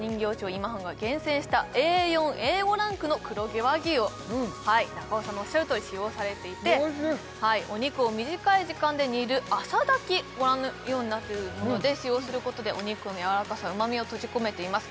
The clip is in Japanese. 今半が厳選したＡ４Ａ５ランクの黒毛和牛を中尾さんのおっしゃるとおり使用されていてお肉を短い時間で煮る浅炊きご覧のようになっているもので使用することでお肉のやわらかさうまみを閉じ込めています